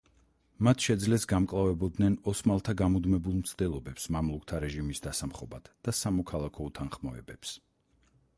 მათ შეძლეს გამკლავებოდნენ ოსმალთა გამუდმებულ მცდელობებს მამლუქთა რეჟიმის დასამხობად და სამოქალაქო უთანხმოებებს.